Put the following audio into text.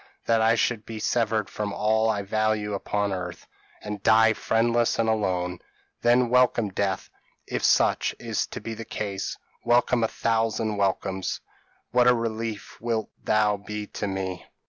that I should be severed from all I value upon earth, and die friendless and alone. Then welcome death, if such is to be the case; welcome a thousand welcomes! what a relief wilt thou be to me!